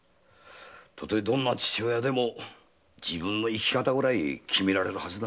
たとえどんな父親でも自分の生き方ぐらい決められるはずだ。